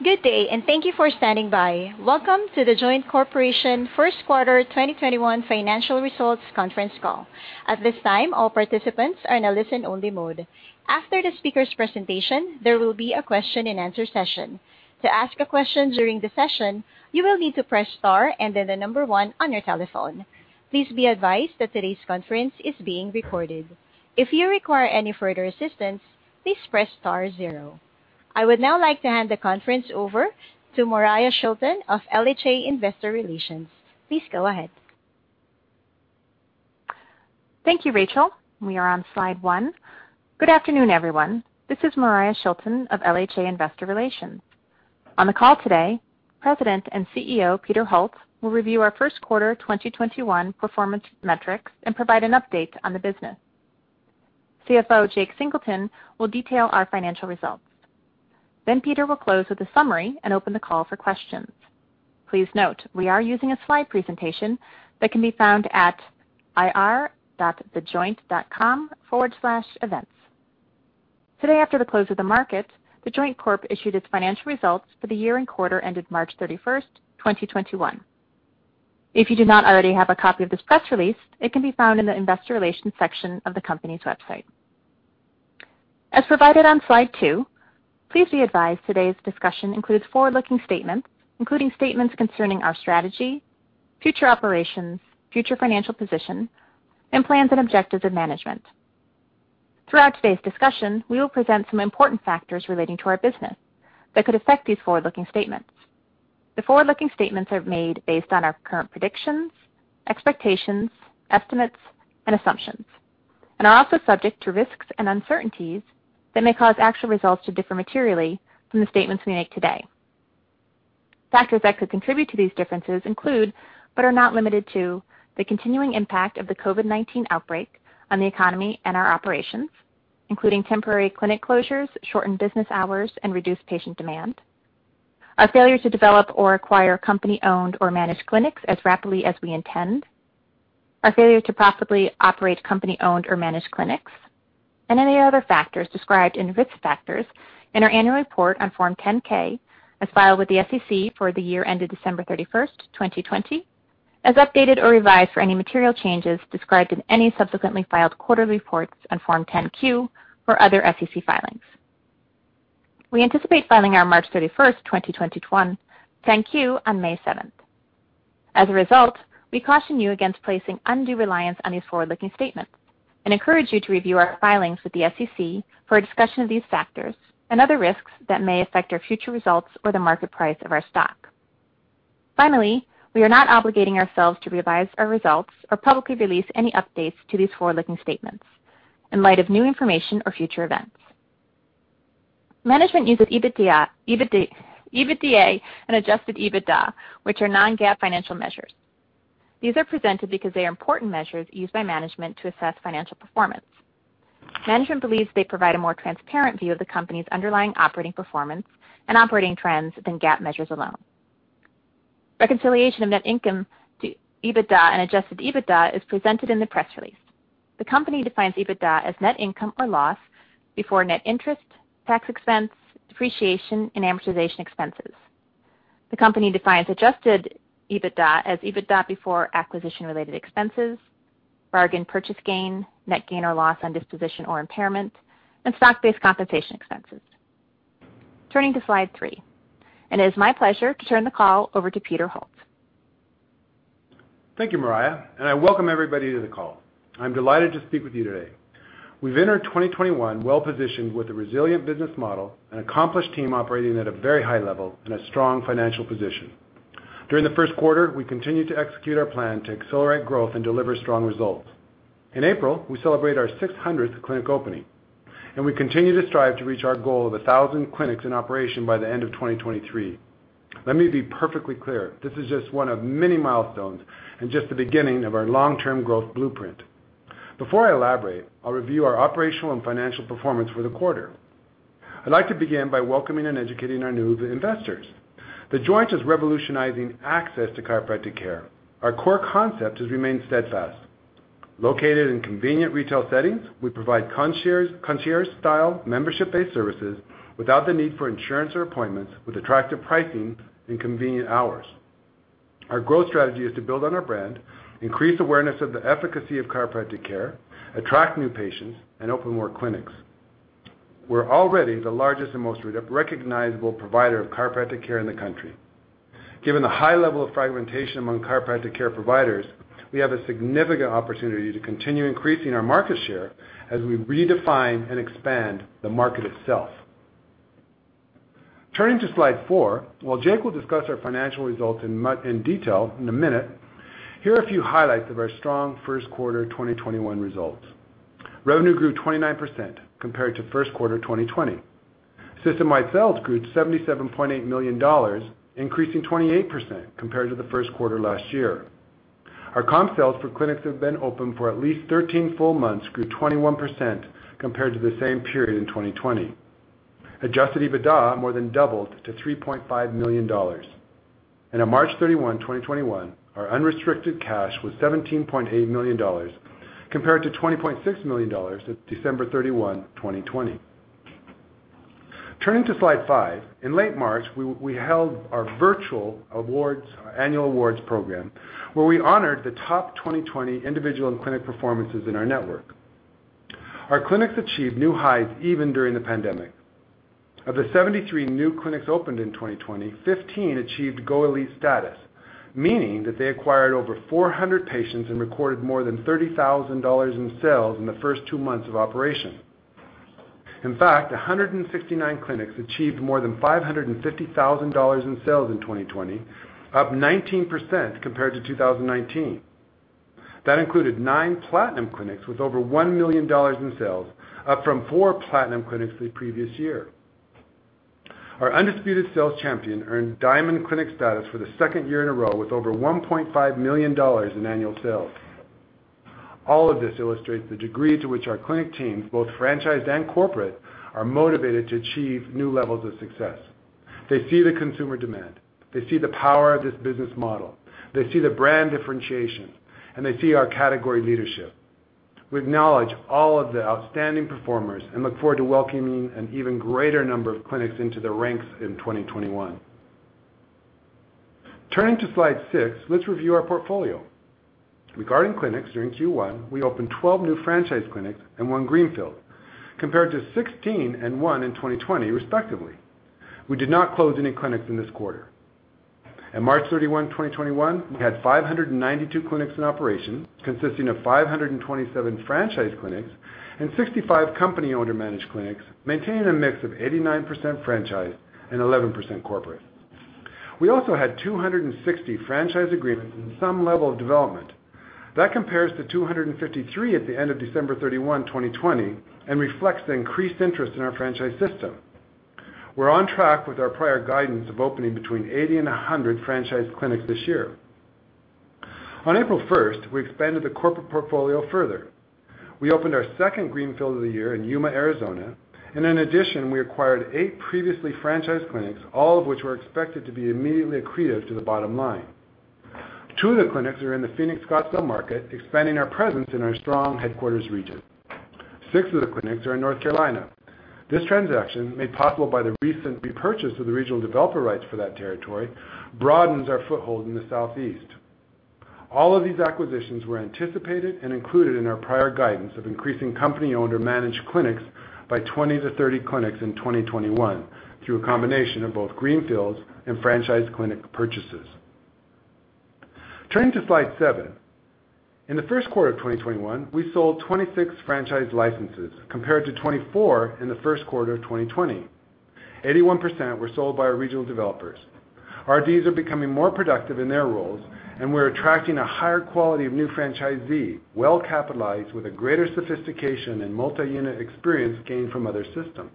Good day. Thank you for standing by. Welcome to The Joint Corp. first quarter 2021 financial results conference call. At this time, all participants are in a listen-only mode. After the speaker's presentation, there will be a question and answer session. To ask a question during the session, you will need to press star and then the number one on your telephone. Please be advised that today's conference is being recorded. If you require any further assistance, please press star zero. I would now like to hand the conference over to Moriah Shilton of LHA Investor Relations. Please go ahead. Thank you, Rachel. We are on slide one. Good afternoon, everyone. This is Moriah Shilton of LHA Investor Relations. On the call today, President and CEO Peter Holt will review our first quarter 2021 performance metrics and provide an update on the business. CFO Jake Singleton will detail our financial results. Peter will close with a summary and open the call for questions. Please note, we are using a slide presentation that can be found at ir.thejoint.com/events. Today, after the close of the market, The Joint Corp. issued its financial results for the year and quarter ended March 31st, 2021. If you do not already have a copy of this press release, it can be found in the investor relations section of the company's website. As provided on slide two, please be advised today's discussion includes forward-looking statements, including statements concerning our strategy, future operations, future financial position, and plans and objectives of management. Throughout today's discussion, we will present some important factors relating to our business that could affect these forward-looking statements. The forward-looking statements are made based on our current predictions, expectations, estimates, and assumptions, and are also subject to risks and uncertainties that may cause actual results to differ materially from the statements we make today. Factors that could contribute to these differences include, but are not limited to, the continuing impact of the COVID-19 outbreak on the economy and our operations, including temporary clinic closures, shortened business hours, and reduced patient demand, our failure to develop or acquire company-owned or managed clinics as rapidly as we intend, our failure to profitably operate company-owned or managed clinics, and any other factors described in Risk Factors in our Annual Report on Form 10-K as filed with the SEC for the year ended December 31, 2020, as updated or revised for any material changes described in any subsequently filed quarterly reports on Form 10-Q or other SEC filings. We anticipate filing our March 31, 2021 10-Q on May 7. As a result, we caution you against placing undue reliance on these forward-looking statements and encourage you to review our filings with the SEC for a discussion of these factors and other risks that may affect our future results or the market price of our stock. Finally, we are not obligating ourselves to revise our results or publicly release any updates to these forward-looking statements in light of new information or future events. Management uses EBITDA and adjusted EBITDA, which are non-GAAP financial measures. These are presented because they are important measures used by management to assess financial performance. Management believes they provide a more transparent view of the company's underlying operating performance and operating trends than GAAP measures alone. Reconciliation of net income to EBITDA and adjusted EBITDA is presented in the press release. The company defines EBITDA as net income or loss before net interest, tax expense, depreciation, and amortization expenses. The company defines adjusted EBITDA as EBITDA before acquisition-related expenses, bargain purchase gain, net gain or loss on disposition or impairment, and stock-based compensation expenses. Turning to slide three. It is my pleasure to turn the call over to Peter Holt. Thank you, Moriah, I welcome everybody to the call. I'm delighted to speak with you today. We've entered 2021 well-positioned with a resilient business model, an accomplished team operating at a very high level, and a strong financial position. During the first quarter, we continued to execute our plan to accelerate growth and deliver strong results. In April, we celebrate our 600th clinic opening, and we continue to strive to reach our goal of 1,000 clinics in operation by the end of 2023. Let me be perfectly clear. This is just one of many milestones and just the beginning of our long-term growth blueprint. Before I elaborate, I'll review our operational and financial performance for the quarter. I'd like to begin by welcoming and educating our new investors. The Joint is revolutionizing access to chiropractic care. Our core concept has remained steadfast. Located in convenient retail settings, we provide concierge-style, membership-based services without the need for insurance or appointments, with attractive pricing and convenient hours. Our growth strategy is to build on our brand, increase awareness of the efficacy of chiropractic care, attract new patients, and open more clinics. We're already the largest and most recognizable provider of chiropractic care in the country. Given the high level of fragmentation among chiropractic care providers, we have a significant opportunity to continue increasing our market share as we redefine and expand the market itself. Turning to slide four, while Jake will discuss our financial results in detail in a minute, here are a few highlights of our strong first quarter 2021 results. Revenue grew 29% compared to first quarter 2020. System-wide sales grew to $77.8 million, increasing 28% compared to the first quarter last year. Our comp sales for clinics that have been open for at least 13 full months grew 21% compared to the same period in 2020. Adjusted EBITDA more than doubled to $3.5 million. At March 31, 2021, our unrestricted cash was $17.8 million compared to $20.6 million at December 31, 2020. Turning to slide five, in late March, we held our virtual annual awards program, where we honored the top 2020 individual and clinic performances in our network. Our clinics achieved new highs even during the pandemic. Of the 73 new clinics opened in 2020, 15 achieved GoElite status, meaning that they acquired over 400 patients and recorded more than $30,000 in sales in the first two months of operation. In fact, 169 clinics achieved more than $550,000 in sales in 2020, up 19% compared to 2019. That included nine Platinum clinics with over $1 million in sales, up from four Platinum clinics the previous year. Our undisputed sales champion earned Diamond clinic status for the second year in a row with over $1.5 million in annual sales. All of this illustrates the degree to which our clinic teams, both franchised and corporate, are motivated to achieve new levels of success. They see the consumer demand, they see the power of this business model, they see the brand differentiation, and they see our category leadership. We acknowledge all of the outstanding performers and look forward to welcoming an even greater number of clinics into the ranks in 2021. Turning to slide six, let's review our portfolio. Regarding clinics, during Q1, we opened 12 new franchise clinics and one greenfield, compared to 16 and one in 2020 respectively. We did not close any clinics in this quarter. At March 31, 2021, we had 592 clinics in operation, consisting of 527 franchise clinics and 65 company-owned or managed clinics, maintaining a mix of 89% franchise and 11% corporate. We also had 260 franchise agreements in some level of development. That compares to 253 at the end of December 31, 2020 and reflects the increased interest in our franchise system. We're on track with our prior guidance of opening between 80 and 100 franchise clinics this year. On April 1st, we expanded the corporate portfolio further. We opened our second greenfield of the year in Yuma, Arizona, and in addition, we acquired eight previously franchised clinics, all of which were expected to be immediately accretive to the bottom line. Two of the clinics are in the Phoenix, Scottsdale market, expanding our presence in our strong headquarters region. Six of the clinics are in North Carolina. This transaction, made possible by the recent repurchase of the regional developer rights for that territory, broadens our foothold in the Southeast. All of these acquisitions were anticipated and included in our prior guidance of increasing company-owned or managed clinics by 20-30 clinics in 2021 through a combination of both greenfields and franchised clinic purchases. Turning to slide seven. In the first quarter of 2021, we sold 26 franchise licenses, compared to 24 in the first quarter of 2020. 81% were sold by our regional developers. Our RDs are becoming more productive in their roles, and we're attracting a higher quality of new franchisee, well-capitalized, with a greater sophistication and multi-unit experience gained from other systems.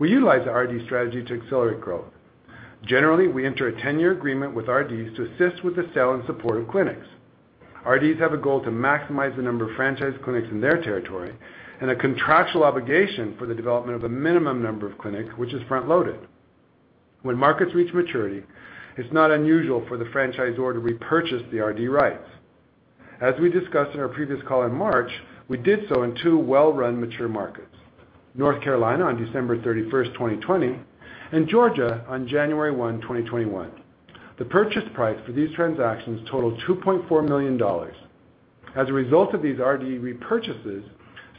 We utilize the RD strategy to accelerate growth. Generally, we enter a 10-year agreement with RDs to assist with the sale and support of clinics. RDs have a goal to maximize the number of franchise clinics in their territory and a contractual obligation for the development of the minimum number of clinics, which is front-loaded. When markets reach maturity, it's not unusual for the franchisor to repurchase the RD rights. As we discussed in our previous call in March, we did so in two well-run mature markets, North Carolina on December 31, 2020, and Georgia on January 1, 2021. The purchase price for these transactions totaled $2.4 million. As a result of these RD repurchases,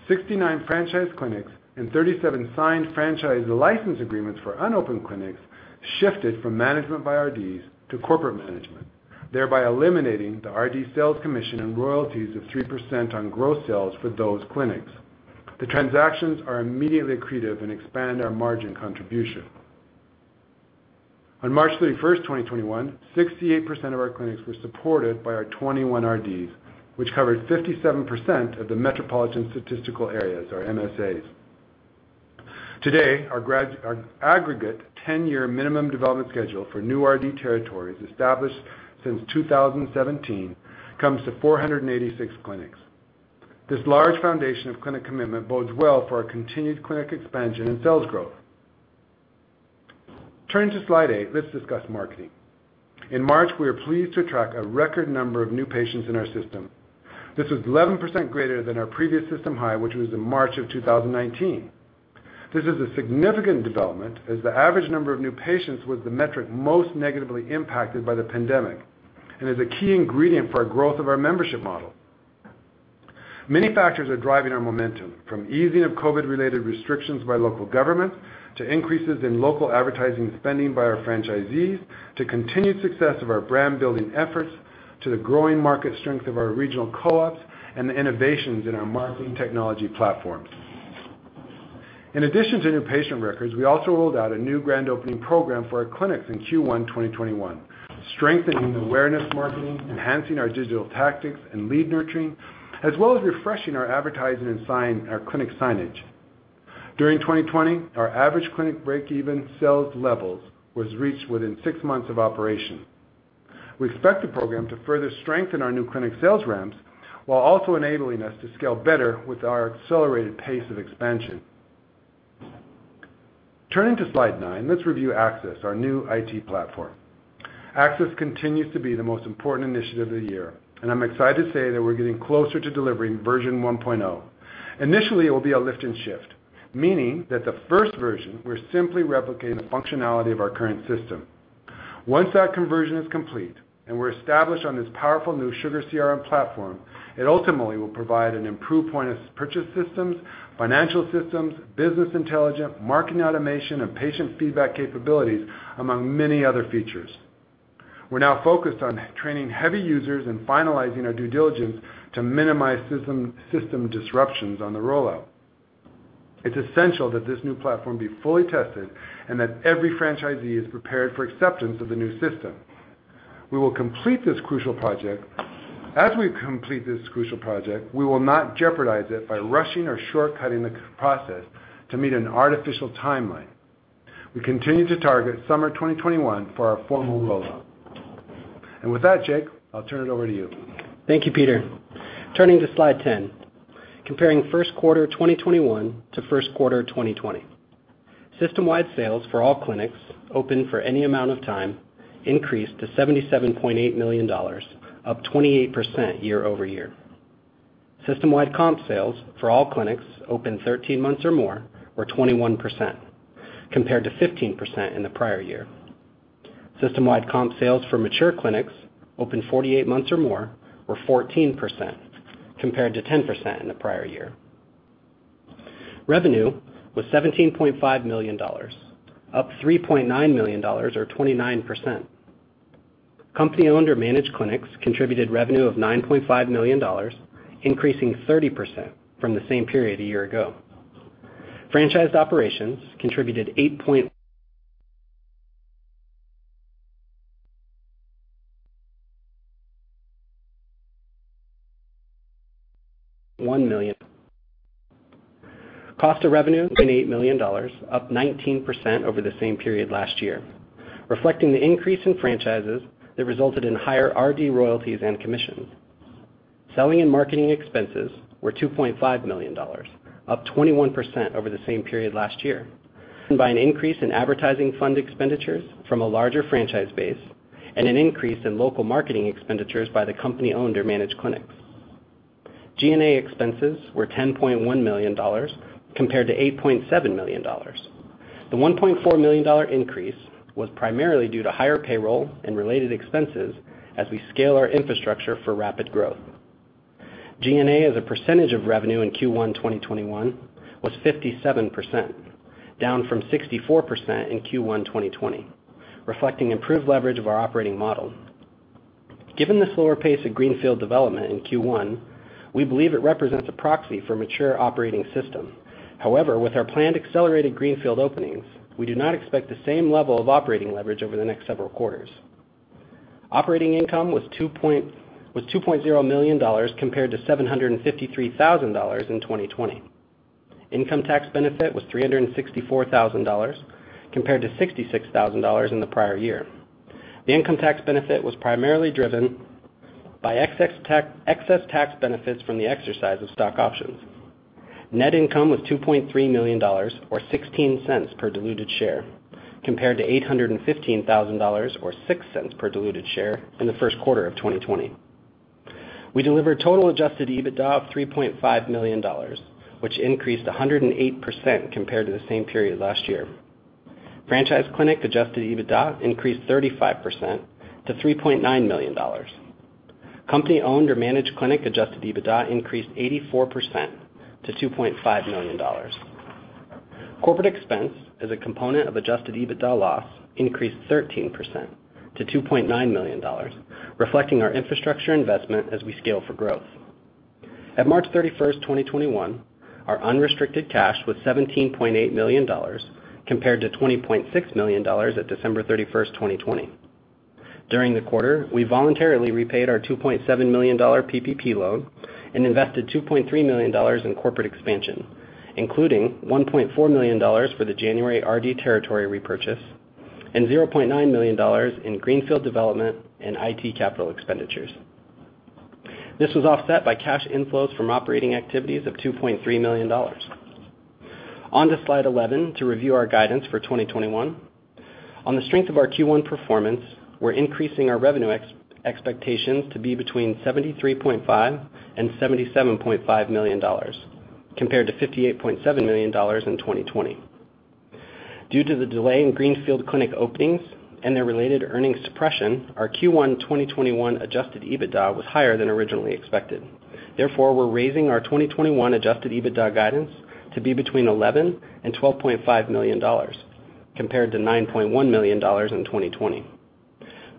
69 franchise clinics and 37 signed franchise license agreements for unopened clinics shifted from management by RDs to corporate management, thereby eliminating the RD sales commission and royalties of 3% on gross sales for those clinics. The transactions are immediately accretive and expand our margin contribution. On March 31st, 2021, 68% of our clinics were supported by our 21 RDs, which covered 57% of the metropolitan statistical areas, or MSAs. Today, our aggregate 10-year minimum development schedule for new RD territories established since 2017 comes to 486 clinics. This large foundation of clinic commitment bodes well for our continued clinic expansion and sales growth. Turning to slide eight, let's discuss marketing. In March, we were pleased to attract a record number of new patients in our system. This was 11% greater than our previous system high, which was in March of 2019. This is a significant development, as the average number of new patients was the metric most negatively impacted by the pandemic and is a key ingredient for our growth of our membership model. Many factors are driving our momentum, from easing of COVID-related restrictions by local governments, to increases in local advertising spending by our franchisees, to continued success of our brand-building efforts, to the growing market strength of our regional co-ops, and the innovations in our marketing technology platforms. In addition to new patient records, we also rolled out a new grand opening program for our clinics in Q1 2021, strengthening awareness marketing, enhancing our digital tactics and lead nurturing, as well as refreshing our advertising and our clinic signage. During 2020, our average clinic breakeven sales levels was reached within six months of operation. We expect the program to further strengthen our new clinic sales ramps while also enabling us to scale better with our accelerated pace of expansion. Turning to slide nine, let's review AXIS, our new IT platform. AXIS continues to be the most important initiative of the year, and I'm excited to say that we're getting closer to delivering version 1.0. Initially, it will be a lift and shift, meaning that the first version will simply replicate the functionality of our current system. Once that conversion is complete and we're established on this powerful new SugarCRM platform, it ultimately will provide an improved point-of-purchase systems, financial systems, business intelligence, marketing automation, and patient feedback capabilities, among many other features. We're now focused on training heavy users and finalizing our due diligence to minimize system disruptions on the rollout. It's essential that this new platform be fully tested and that every franchisee is prepared for acceptance of the new system. As we complete this crucial project, we will not jeopardize it by rushing or shortcutting the process to meet an artificial timeline. We continue to target summer 2021 for our formal rollout. With that, Jake, I'll turn it over to you. Thank you, Peter. Turning to slide 10. Comparing first quarter 2021 to first quarter of 2020. System-wide sales for all clinics open for any amount of time increased to $77.8 million, up 28% year-over-year. System-wide comp sales for all clinics open 13 months or more were 21%, compared to 15% in the prior year. System-wide comp sales for mature clinics open 48 months or more were 14%, compared to 10% in the prior year. Revenue was $17.5 million, up $3.9 million or 29%. Company-owned or managed clinics contributed revenue of $9.5 million, increasing 30% from the same period a year ago. Franchise operations contributed $8.1 million. Cost of revenue, $8.8 million, up 19% over the same period last year, reflecting the increase in franchisees that resulted in higher RD royalties and commissions. Selling and marketing expenses were $2.5 million, up 21% over the same period last year. By an increase in advertising fund expenditures from a larger franchise base and an increase in local marketing expenditures by the company-owned or managed clinics. G&A expenses were $10.1 million compared to $8.7 million. The $1.4 million increase was primarily due to higher payroll and related expenses as we scale our infrastructure for rapid growth. G&A as a percentage of revenue in Q1 2021 was 57%, down from 64% in Q1 2020, reflecting improved leverage of our operating model. Given the slower pace of greenfield development in Q1, we believe it represents a proxy for mature operating systems. However, with our planned accelerated greenfield openings, we do not expect the same level of operating leverage over the next several quarters. Operating income was $2.0 million, compared to $753,000 in 2020. Income tax benefit was $364,000, compared to $66,000 in the prior year. The income tax benefit was primarily driven by excess tax benefits from the exercise of stock options. Net income was $2.3 million, or $0.16 per diluted share, compared to $815,000 or $0.06 per diluted share in the first quarter of 2020. We delivered total adjusted EBITDA of $3.5 million, which increased 108% compared to the same period last year. Franchise clinic adjusted EBITDA increased 35% to $3.9 million. Company-owned or managed clinic adjusted EBITDA increased 84% to $2.5 million. Corporate expense as a component of adjusted EBITDA loss increased 13% to $2.9 million, reflecting our infrastructure investment as we scale for growth. At March 31st, 2021, our unrestricted cash was $17.8 million, compared to $20.6 million at December 31st, 2020. During the quarter, we voluntarily repaid our $2.7 million PPP loan and invested $2.3 million in corporate expansion, including $1.4 million for the January RD territory repurchase and $0.9 million in greenfield development and IT capital expenditures. This was offset by cash inflows from operating activities of $2.3 million. On to slide 11 to review our guidance for 2021. On the strength of our Q1 performance, we're increasing our revenue expectations to be between $73.5 million and $77.5 million, compared to $58.7 million in 2020. Due to the delay in greenfield clinic openings and their related earnings suppression, our Q1 2021 adjusted EBITDA was higher than originally expected. Therefore, we're raising our 2021 adjusted EBITDA guidance to be between $11 million and $12.5 million, compared to $9.1 million in 2020.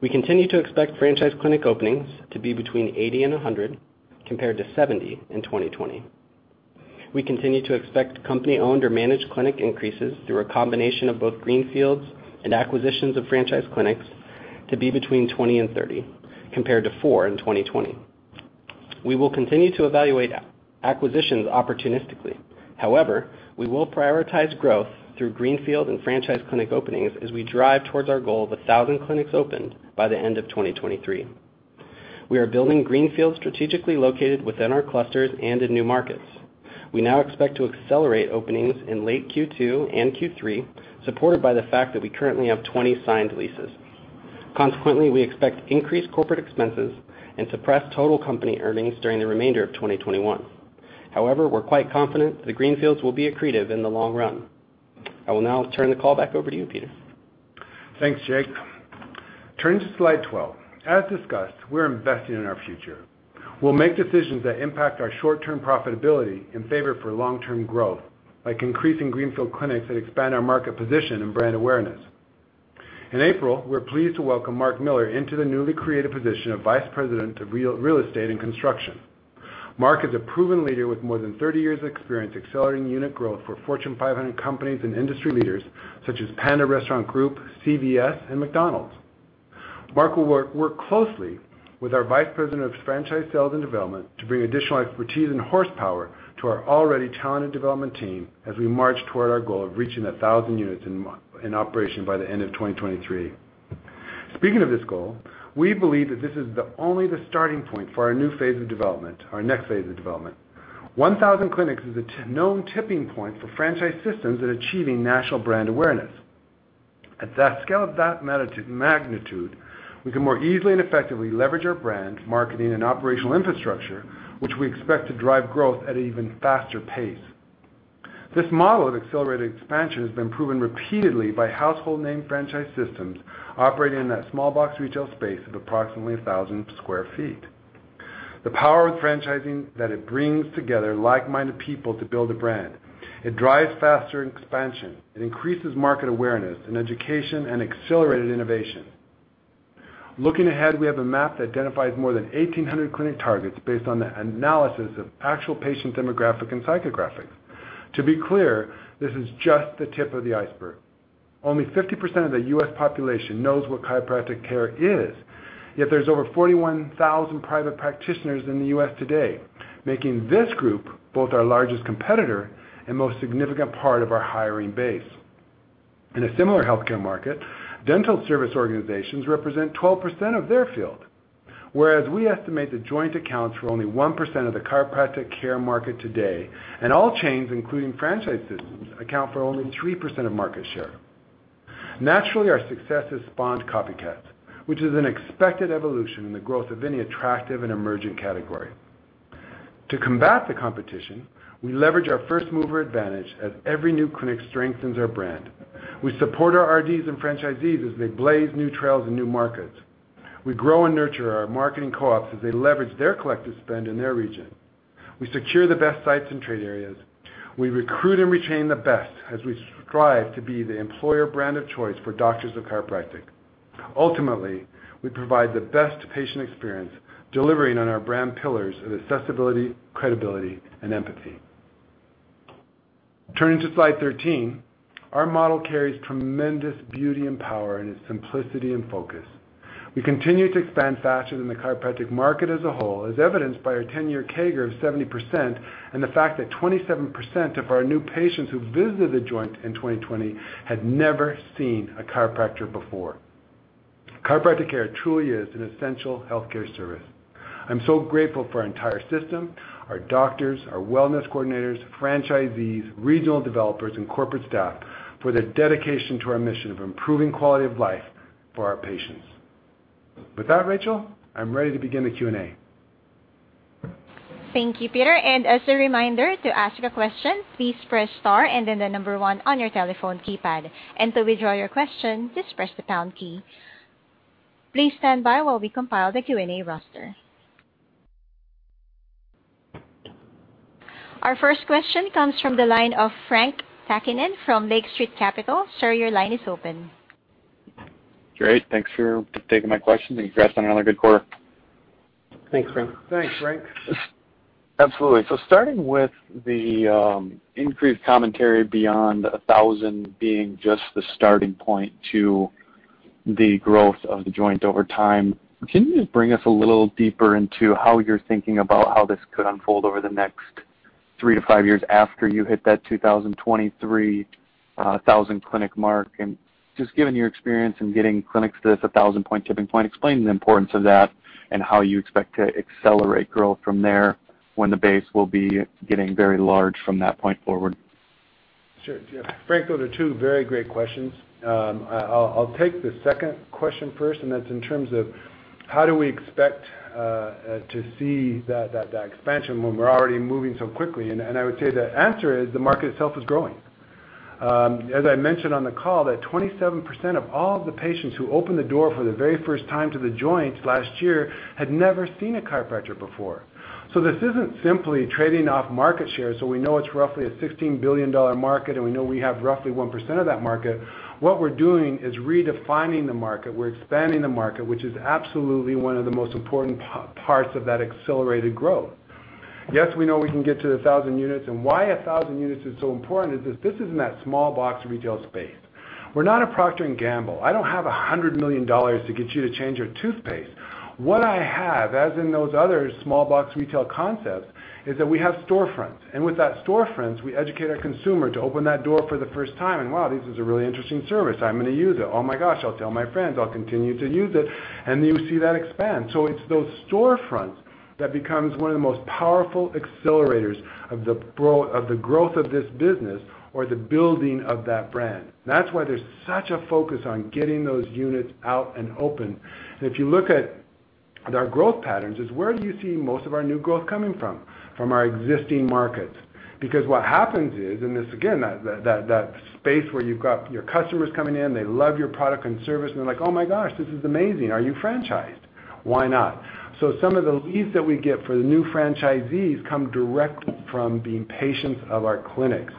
We continue to expect franchise clinic openings to be between 80 and 100, compared to 70 in 2020. We continue to expect company-owned or managed clinic increases through a combination of both greenfields and acquisitions of franchise clinics to be between 20 and 30, compared to four in 2020. We will continue to evaluate acquisitions opportunistically. We will prioritize growth through greenfield and franchise clinic openings as we drive towards our goal of 1,000 clinics opened by the end of 2023. We are building greenfields strategically located within our clusters and in new markets. We now expect to accelerate openings in late Q2 and Q3, supported by the fact that we currently have 20 signed leases. We expect increased corporate expenses and suppressed total company earnings during the remainder of 2021. We're quite confident that the greenfields will be accretive in the long run. I will now turn the call back over to you, Peter. Thanks, Jake. Turning to slide 12. As discussed, we're investing in our future. We'll make decisions that impact our short-term profitability in favor for long-term growth, like increasing greenfield clinics that expand our market position and brand awareness. In April, we were pleased to welcome Mark Miller into the newly created position of vice president of real estate and construction. Mark is a proven leader with more than 30 years experience accelerating unit growth for Fortune 500 companies and industry leaders such as Panda Restaurant Group, CVS, and McDonald's. Mark will work closely with our vice president of franchise sales and development to bring additional expertise and horsepower to our already talented development team as we march toward our goal of reaching 1,000 units in operation by the end of 2023. Speaking of this goal, we believe that this is only the starting point for our next phase of development. 1,000 clinics is a known tipping point for franchise systems in achieving national brand awareness. At that scale of that magnitude, we can more easily and effectively leverage our brand, marketing, and operational infrastructure, which we expect to drive growth at an even faster pace. This model of accelerated expansion has been proven repeatedly by household name franchise systems operating in that small box retail space of approximately 1,000 sq ft. The power of franchising that it brings together like-minded people to build a brand. It drives faster expansion. It increases market awareness and education and accelerated innovation. Looking ahead, we have a map that identifies more than 1,800 clinic targets based on the analysis of actual patient demographics and psychographics. To be clear, this is just the tip of the iceberg. Only 50% of the U.S. population knows what chiropractic care is. Yet there's over 41,000 private practitioners in the U.S. today, making this group both our largest competitor and most significant part of our hiring base. In a similar healthcare market, dental service organizations represent 12% of their field, whereas we estimate The Joint accounts for only 1% of the chiropractic care market today, and all chains, including franchise systems, account for only 3% of market share. Naturally, our success has spawned copycats, which is an expected evolution in the growth of any attractive and emerging category. To combat the competition, we leverage our first-mover advantage as every new clinic strengthens our brand. We support our RDs and franchisees as they blaze new trails in new markets. We grow and nurture our marketing co-ops as they leverage their collective spend in their region. We secure the best sites and trade areas. We recruit and retain the best as we strive to be the employer brand of choice for doctors of chiropractic. Ultimately, we provide the best patient experience, delivering on our brand pillars of accessibility, credibility, and empathy. Turning to slide 13, our model carries tremendous beauty and power in its simplicity and focus. We continue to expand faster than the chiropractic market as a whole, as evidenced by our 10-year CAGR of 70%, and the fact that 27% of our new patients who visited The Joint in 2020 had never seen a chiropractor before. Chiropractic care truly is an essential healthcare service. I'm so grateful for our entire system, our doctors, our wellness coordinators, franchisees, regional developers, and corporate staff for their dedication to our mission of improving quality of life for our patients. With that, Rachel, I'm ready to begin the Q&A. Thank you, Peter. As a reminder, to ask a question, please press star and then the number one on your telephone keypad. To withdraw your question, just press the pound key. Please stand by while we compile the Q&A roster. Our first question comes from the line of Frank Takkinen from Lake Street Capital. Sir, your line is open. Great. Thanks for taking my question. Congrats on another good quarter. Thanks, Frank. Absolutely. Starting with the increased commentary beyond 1,000 being just the starting point to the growth of The Joint over time, can you just bring us a little deeper into how you're thinking about how this could unfold over the next three to five years years after you hit that 2023 1,000 clinic mark? Just given your experience in getting clinics to this 1,000-point tipping point, explain the importance of that and how you expect to accelerate growth from there when the base will be getting very large from that point forward. Sure. Yeah. Frank, those are two very great questions. I'll take the second question first, that's in terms of how do we expect to see that expansion when we're already moving so quickly. I would say the answer is the market itself is growing. As I mentioned on the call, that 27% of all the patients who opened the door for the very first time to The Joint last year had never seen a chiropractor before. This isn't simply trading off market share, we know it's roughly a $16 billion market, we know we have roughly 1% of that market. What we're doing is redefining the market. We're expanding the market, which is absolutely one of the most important parts of that accelerated growth. Yes, we know we can get to 1,000 units. Why 1,000 units is so important is that this is in that small box retail space. We're not a Procter & Gamble. I don't have $100 million to get you to change your toothpaste. What I have, as in those other small box retail concepts, is that we have storefronts. With that storefronts, we educate our consumer to open that door for the first time, and wow, this is a really interesting service. I'm going to use it. Oh my gosh, I'll tell my friends. I'll continue to use it. Then you see that expand. It's those storefronts that becomes one of the most powerful accelerators of the growth of this business or the building of that brand. That's why there's such a focus on getting those units out and open. If you look at our growth patterns, is where do you see most of our new growth coming from? From our existing markets. What happens is, again, that space where you've got your customers coming in, they love your product and service, and they're like, "Oh, my gosh, this is amazing. Are you franchised? Why not." Some of the leads that we get for the new franchisees come direct from the patients of our clinics.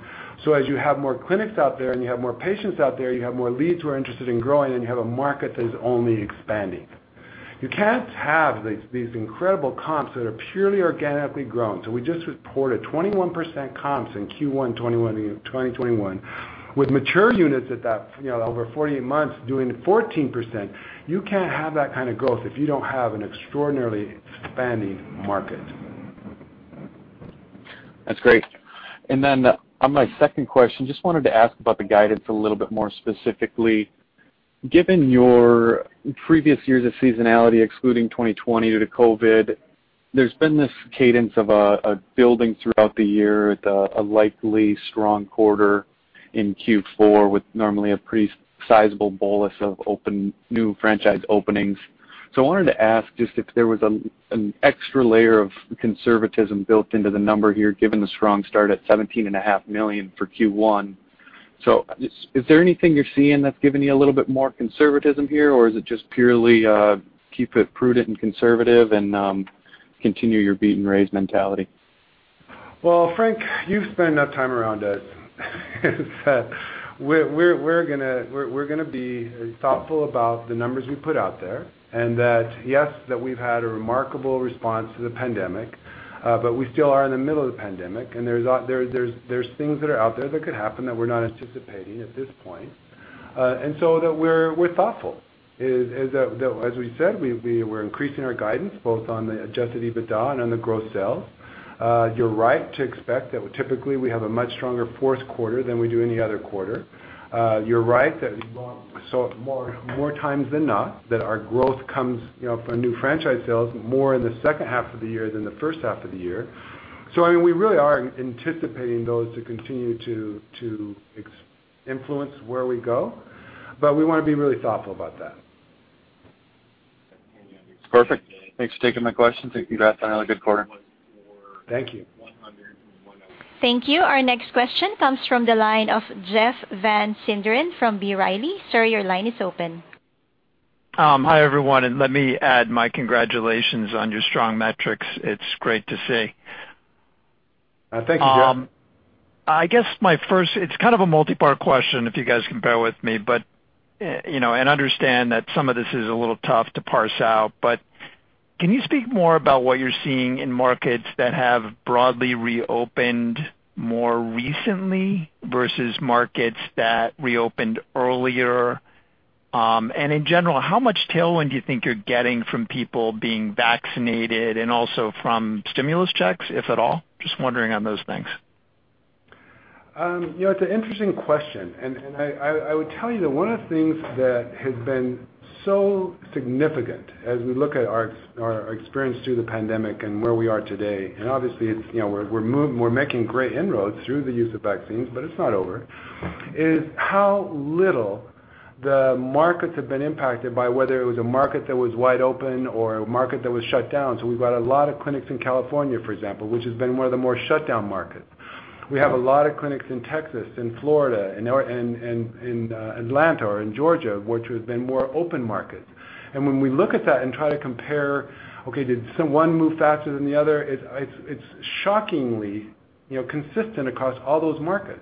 As you have more clinics out there and you have more patients out there, you have more leads who are interested in growing, and you have a market that is only expanding. You can't have these incredible comps that are purely organically grown. We just reported 21% comps in Q1 2021 with mature units at that over 48 months doing 14%. You can't have that kind of growth if you don't have an extraordinarily expanding market. On my second question, just wanted to ask about the guidance a little bit more specifically. Given your previous years of seasonality, excluding 2020 due to COVID, there's been this cadence of a building throughout the year with a likely strong quarter in Q4, with normally a pretty sizable bolus of new franchise openings. I wanted to ask just if there was an extra layer of conservatism built into the number here, given the strong start at $17.5 million for Q1. Is there anything you're seeing that's giving you a little bit more conservatism here, or is it just purely keep it prudent and conservative and continue your beat and raise mentality? Well, Frank, you've spent enough time around us that we're going to be thoughtful about the numbers we put out there, and that, yes, that we've had a remarkable response to the pandemic, but we still are in the middle of the pandemic, and there's things that are out there that could happen that we're not anticipating at this point. That we're thoughtful. As we said, we're increasing our guidance both on the adjusted EBITDA and on the growth sales. You're right to expect that typically we have a much stronger fourth quarter than we do any other quarter. You're right that more times than not that our growth comes from new franchise sales more in the second half of the year than the first half of the year. I mean, we really are anticipating those to continue to influence where we go, but we want to be really thoughtful about that. Perfect. Thanks for taking my questions. Thank you, guys. Have another good quarter. Thank you. Thank you. Our next question comes from the line of Jeff Van Sinderen from B. Riley. Sir, your line is open. Hi, everyone, let me add my congratulations on your strong metrics. It's great to see. Thank you, Jeff. I guess my first, it's kind of a multipart question, if you guys can bear with me, and understand that some of this is a little tough to parse out. Can you speak more about what you're seeing in markets that have broadly reopened more recently versus markets that reopened earlier? In general, how much tailwind do you think you're getting from people being vaccinated and also from stimulus checks, if at all? Just wondering on those things. It's an interesting question, and I would tell you that one of the things that has been so significant as we look at our experience through the pandemic and where we are today, and obviously we're making great inroads through the use of vaccines, but it's not over, is how little the markets have been impacted by whether it was a market that was wide open or a market that was shut down. We've got a lot of clinics in California, for example, which has been one of the more shut down markets. We have a lot of clinics in Texas, in Florida, in Atlanta, or in Georgia, which has been more open markets. When we look at that and try to compare, okay, did one move faster than the other? It's shockingly consistent across all those markets.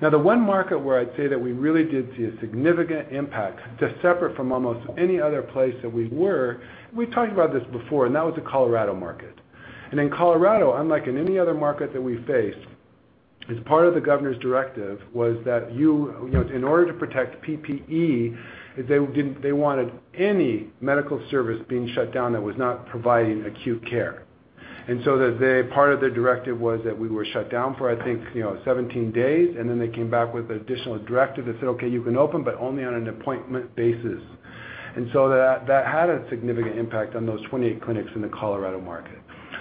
The one market where I'd say that we really did see a significant impact, just separate from almost any other place that we were, we've talked about this before, and that was the Colorado market. In Colorado, unlike in any other market that we faced, as part of the governor's directive, was that in order to protect PPE, they wanted any medical service being shut down that was not providing acute care. Part of the directive was that we were shut down for, I think, 17 days, and then they came back with an additional directive that said, "Okay, you can open, but only on an appointment basis." That had a significant impact on those 28 clinics in the Colorado market.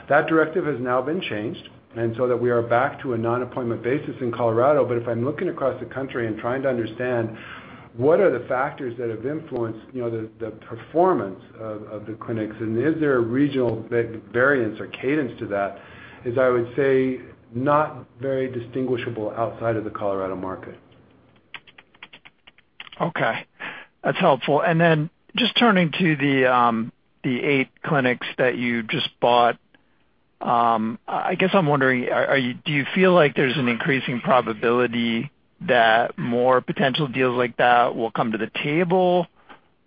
That directive has now been changed, so that we are back to a non-appointment basis in Colorado. If I'm looking across the country and trying to understand what are the factors that have influenced the performance of the clinics and is there a regional variance or cadence to that is, I would say, not very distinguishable outside of the Colorado market. Okay. That's helpful. Just turning to the eight clinics that you just bought, I guess I'm wondering, do you feel like there's an increasing probability that more potential deals like that will come to the table?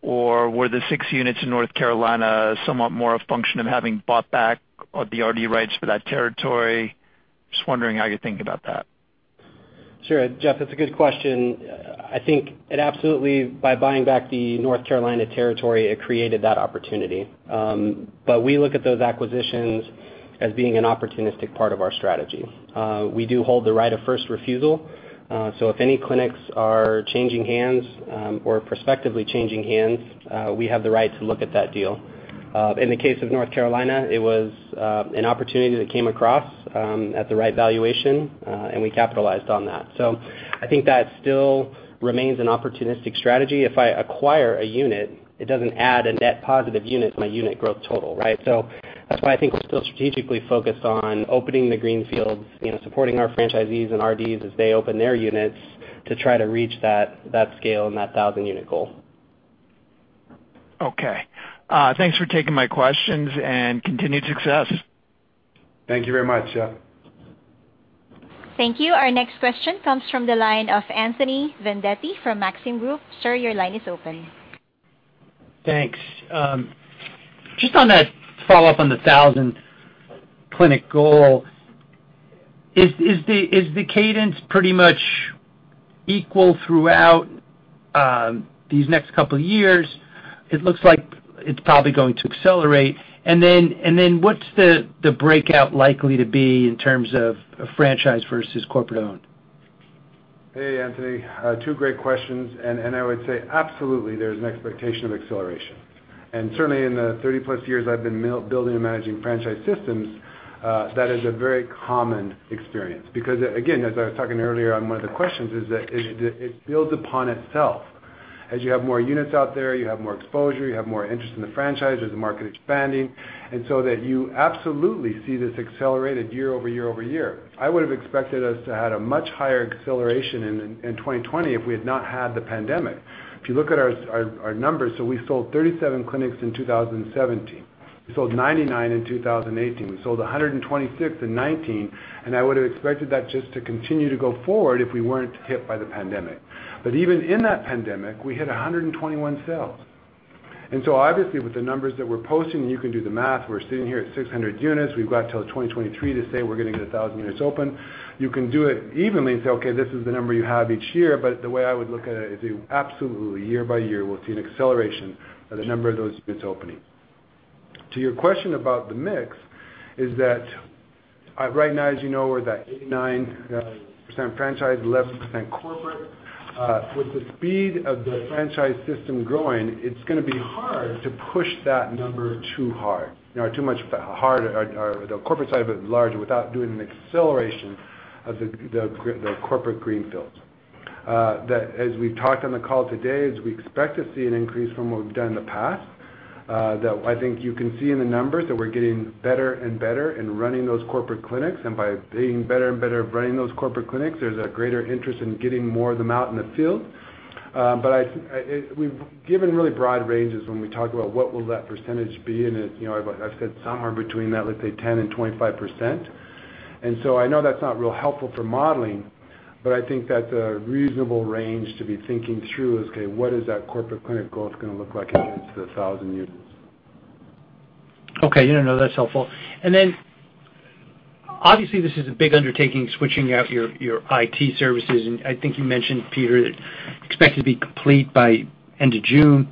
Were the six units in North Carolina somewhat more a function of having bought back the RD rights for that territory? Just wondering how you think about that. Sure. Jeff, that's a good question. I think it absolutely, by buying back the North Carolina territory, it created that opportunity. We look at those acquisitions as being an opportunistic part of our strategy. We do hold the right of first refusal, if any clinics are changing hands or prospectively changing hands, we have the right to look at that deal. In the case of North Carolina, it was an opportunity that came across at the right valuation, and we capitalized on that. I think that still remains an opportunistic strategy. If I acquire a unit, it doesn't add a net positive unit to my unit growth total, right? That's why I think we're still strategically focused on opening the green fields, supporting our franchisees and RDs as they open their units to try to reach that scale and that 1,000 unit goal. Okay. Thanks for taking my questions, and continued success. Thank you very much, Jeff. Thank you. Our next question comes from the line of Anthony Vendetti from Maxim Group. Sir, your line is open. Thanks. Just on a follow-up on the 1,000 clinic goal, is the cadence pretty much equal throughout these next couple of years? It looks like it's probably going to accelerate. Then, what's the breakout likely to be in terms of franchise versus corporate-owned? Hey, Anthony. Two great questions. I would say absolutely there's an expectation of acceleration. Certainly in the 30-plus years I've been building and managing franchise systems, that is a very common experience. Again, as I was talking earlier on one of the questions, is that it builds upon itself. As you have more units out there, you have more exposure, you have more interest in the franchise, there's a market expanding, you absolutely see this accelerated year-over-year over year. I would've expected us to have had a much higher acceleration in 2020 if we had not had the pandemic. If you look at our numbers, we sold 37 clinics in 2017. We sold 99 in 2018. We sold 126 in 2019. I would've expected that just to continue to go forward if we weren't hit by the pandemic. Even in that pandemic, we hit 121 sales. Obviously with the numbers that we're posting, and you can do the math, we're sitting here at 600 units. We've got till 2023 to say we're gonna get 1,000 units open. You can do it evenly and say, okay, this is the number you have each year, but the way I would look at it is absolutely year by year, we'll see an acceleration of the number of those units opening. To your question about the mix, is that right now, as you know, we're that 89% franchise, 11% corporate. With the speed of the franchise system growing, it's gonna be hard to push that number too hard. Too much hard on the corporate side, but large without doing an acceleration of the corporate greenfields. As we've talked on the call today, we expect to see an increase from what we've done in the past. I think you can see in the numbers that we're getting better and better in running those corporate clinics, and by being better and better at running those corporate clinics, there's a greater interest in getting more of them out in the field. We've given really broad ranges when we talk about what will that percentage be, and I've said somewhere between, let's say, 10%-25%. I know that's not real helpful for modeling, but I think that the reasonable range to be thinking through is, okay, what is that corporate clinic growth gonna look like against the 1,000 units? Okay. No, that's helpful. Obviously this is a big undertaking, switching out your IT services, and I think you mentioned, Peter, expect it to be complete by end of June.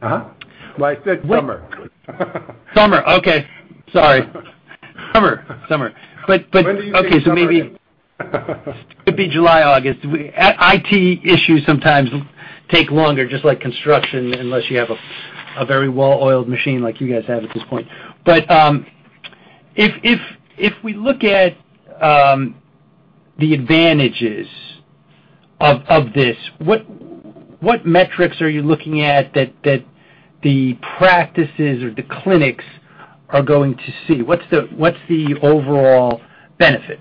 Well, I said summer. Summer. Okay. Sorry. Summer. When do you think summer ends? Okay, maybe it'd be July, August. IT issues sometimes take longer, just like construction, unless you have a very well-oiled machine like you guys have at this point. If we look at the advantages of this, what metrics are you looking at that the practices or the clinics are going to see? What's the overall benefit?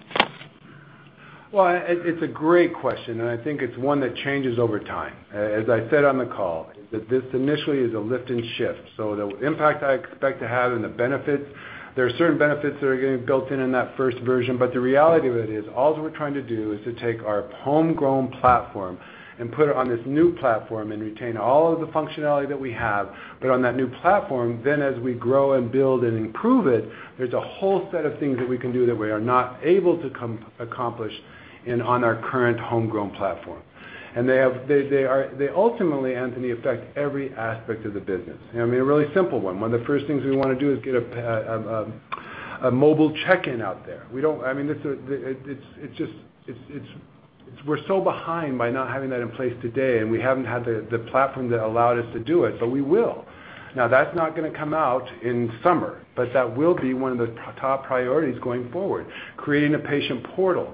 Well, it's a great question. I think it's one that changes over time. As I said on the call, that this initially is a lift and shift. The impact I expect to have and the benefits, there are certain benefits that are getting built in in that first version, but the reality of it is, all we're trying to do is to take our homegrown platform and put it on this new platform and retain all of the functionality that we have. On that new platform, then as we grow and build and improve it, there's a whole set of things that we can do that we are not able to accomplish on our current homegrown platform. They ultimately, Anthony, affect every aspect of the business. I mean, a really simple one. One of the first things we wanna do is get a mobile check-in out there. We're so behind by not having that in place today, and we haven't had the platform that allowed us to do it, but we will. Now, that's not gonna come out in summer, but that will be one of the top priorities going forward. Creating a patient portal.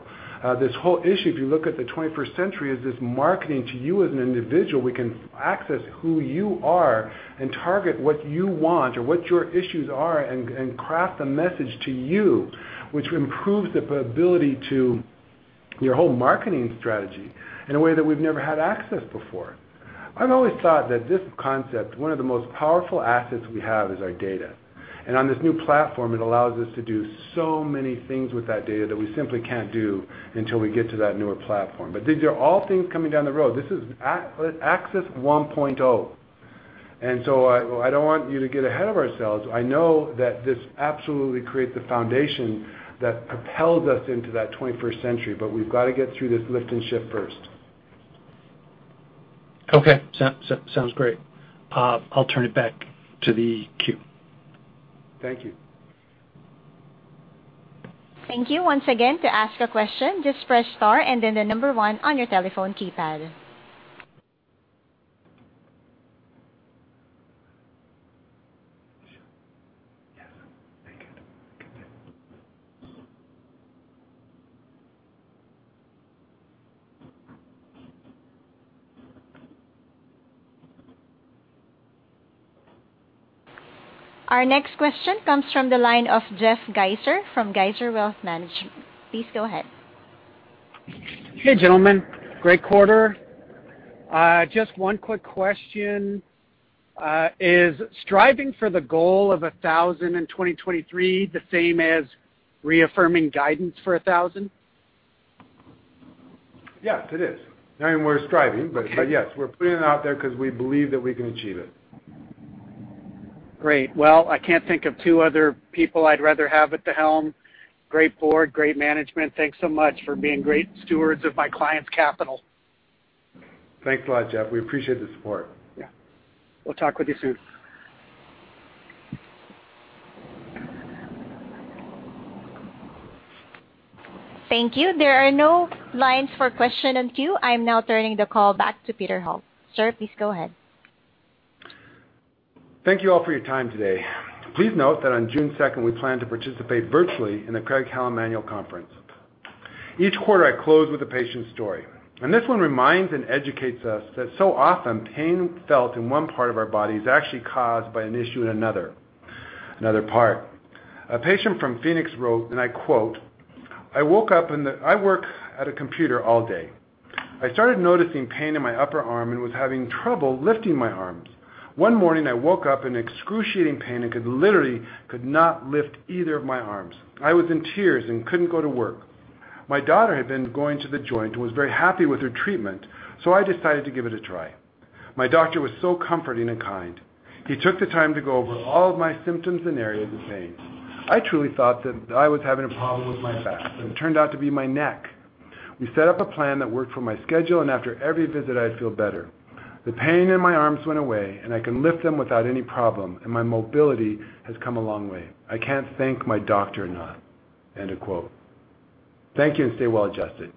This whole issue, if you look at the 21st century, is this marketing to you as an individual. We can access who you are and target what you want or what your issues are and craft a message to you, which improves the ability to your whole marketing strategy in a way that we've never had access before. I've always thought that this concept, one of the most powerful assets we have is our data. On this new platform, it allows us to do so many things with that data that we simply can't do until we get to that newer platform. These are all things coming down the road. This is AXIS 1.0. So I don't want you to get ahead of ourselves. I know that this absolutely creates the foundation that propels us into that 21st century, but we've got to get through this lift and shift first. Okay. Sounds great. I'll turn it back to the queue. Thank you. Thank you. Our next question comes from the line of Jeff Geiser from Geiser Wealth Management. Please go ahead. Hey, gentlemen. Great quarter. Just one quick question. Is striving for the goal of 1,000 in 2023 the same as reaffirming guidance for 1,000? Yes, it is. I mean, we're striving, but yes, we're putting it out there because we believe that we can achieve it. Great. Well, I can't think of two other people I'd rather have at the helm. Great board, great management. Thanks so much for being great stewards of my clients' capital. Thanks a lot, Jeff. We appreciate the support. Yeah. We'll talk with you soon. Thank you. There are no lines for question in queue. I'm now turning the call back to Peter Holt. Sir, please go ahead. Thank you all for your time today. Please note that on June 2nd, we plan to participate virtually in the Craig-Hallum Annual Conference. Each quarter I close with a patient story, and this one reminds and educates us that so often pain felt in one part of our body is actually caused by an issue in another part. A patient from Phoenix wrote, and I quote, "I work at a computer all day. I started noticing pain in my upper arm and was having trouble lifting my arms. One morning, I woke up in excruciating pain and literally could not lift either of my arms. I was in tears and couldn't go to work. My daughter had been going to The Joint and was very happy with her treatment, so I decided to give it a try. My doctor was so comforting and kind. He took the time to go over all of my symptoms and areas of pain. I truly thought that I was having a problem with my back, but it turned out to be my neck. We set up a plan that worked for my schedule, and after every visit, I'd feel better. The pain in my arms went away, and I can lift them without any problem, and my mobility has come a long way. I can't thank my doctor enough." End of quote. Thank you, and stay well-adjusted.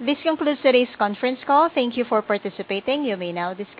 This concludes today's conference call. Thank you for participating. You may now disconnect.